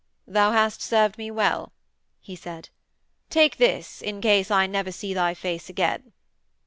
'Thou hast served me well,' he said; 'take this in case I never see thy face again.'